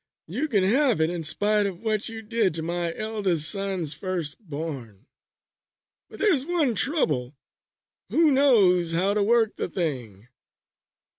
You can have it in spite of what you did to my eldest son's first born. But there's one trouble: who knows how to work the thing?"